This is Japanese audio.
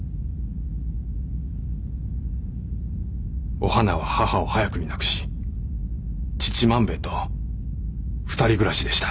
おはなは母を早くに亡くし父万兵衛と２人暮らしでした。